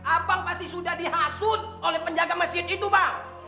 abang pasti sudah dihasut oleh penjaga masjid itu bang